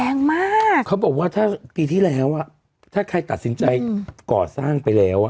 แรงมากเขาบอกว่าถ้าปีที่แล้วอ่ะถ้าใครตัดสินใจก่อสร้างไปแล้วอ่ะ